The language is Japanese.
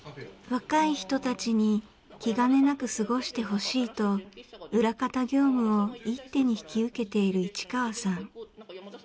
若い人たちに気兼ねなく過ごしてほしいと裏方業務を一手に引き受けている市川さん。